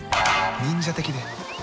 忍者的で。